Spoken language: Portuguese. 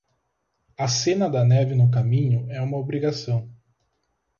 A cena da neve no caminho é uma obrigação